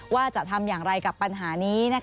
ว่าจะทำอย่างไรกับปัญหานี้